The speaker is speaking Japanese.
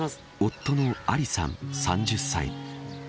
夫のアリさん３０歳。